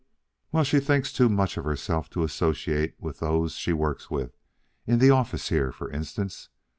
"Well, she thinks too much of herself to associate with those she works with, in the office here, for instance.